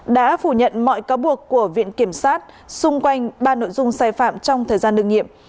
đã phủ nhận mọi cáo buộc của viện kiểm sát xung quanh ba nội dung sai phạm trong thời gian đương nhiệm